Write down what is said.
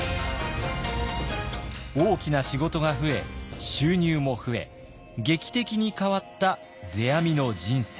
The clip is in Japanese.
大きな仕事が増え収入も増え劇的に変わった世阿弥の人生。